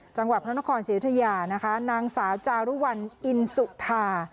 จังหวัดพระนครศรียุธยานะคะนางสาวจารุวัลอินสุธา